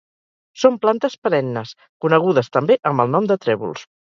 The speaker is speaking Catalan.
Són plantes perennes, conegudes també amb el nom de trèvols.